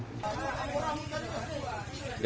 apa dia ya